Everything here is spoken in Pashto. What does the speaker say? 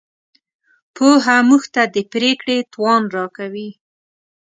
پوهه موږ ته د پرېکړې توان راکوي.